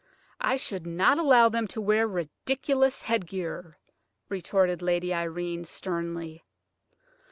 "I should not allow them to wear ridiculous headgear," retorted Lady Irene, sternly.